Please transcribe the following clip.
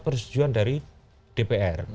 persetujuan dari dpr